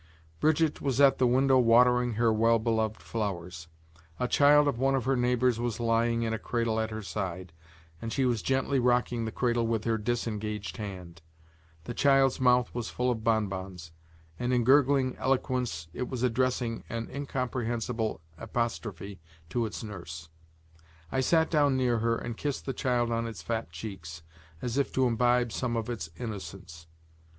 Brigitte was at the window watering her well beloved flowers; a child of one of her neighbors was lying in a cradle at her side and she was gently rocking it with her disengaged hand; the child's mouth was full of bonbons, and in gurgling eloquence it was addressing an incomprehensible apostrophe to its nurse. I sat down near her and kissed the child on its fat cheeks, as though to imbibe some of its innocence.